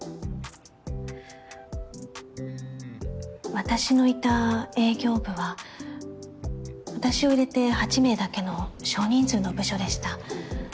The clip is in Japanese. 私のいた営業部は私を入れて８名だけの少人数の部署でした。